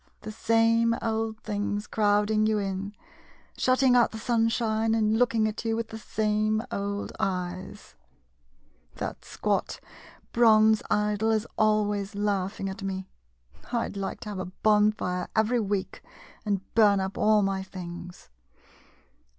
The same old things crowd ing you in, shutting out the sunshine, and looking at you with the same old eyes ! That squat bronze idol is always laughing at me. I 'd like to have a bonfire every week and burn up all my things.